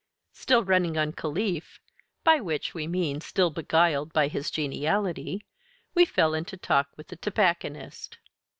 Still running on Caliph, by which we mean still beguiled by his geniality, we fell into talk with the tobacconist.